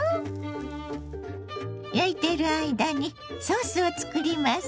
焼いている間にソースを作ります。